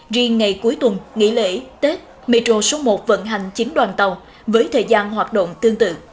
riêng ngày cuối tuần nghỉ lễ tết metro số một vận hành chín đoàn tàu với thời gian hoạt động tương tự